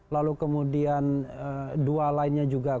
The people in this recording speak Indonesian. lalu kemudian dua lainnya juga